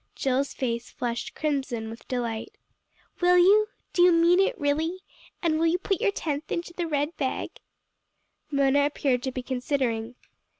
Jill's face flushed crimson with delight. "Will you? Do you mean it really? And will you put your tenth into the red bag?" Mona appeared to be considering.